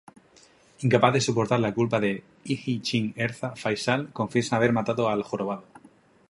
Incapaz de soportar la culpa, Hi-Ching, Ezra, y Faisal confiesan haber matado al jorobado.